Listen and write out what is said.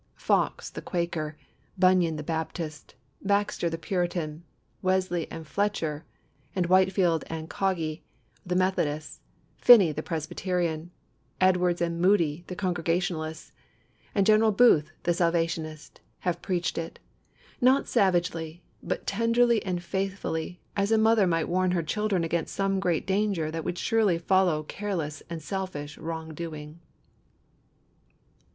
Fox, the Quaker; Bunyan, the Baptist; Baxter, the Puritan; Wesley and Fletcher, and Whitefield and Caughey, the Methodists; Finney, the Presbyterian; Edwards and Moody, the Congregationalists; and General Booth, the Salvationist, have preached it, not savagely, but tenderly and faithfully, as a mother might warn her child against some great danger that would surely follow careless and selfish wrong doing.